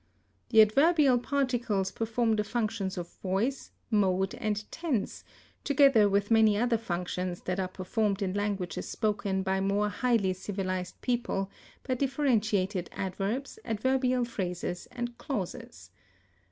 The adverbial particles perform the functions of voice, mode, and tense, together with many other functions that are performed in languages spoken by more highly civilized people by differentiated adverbs, adverbial phrases, and clauses.